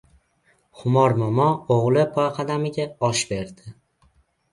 Xumor momo o‘g‘li poyqadamiga osh berdi.